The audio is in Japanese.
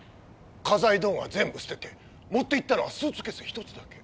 家財道具は全部捨てて持って行ったのはスーツケース１つだけ。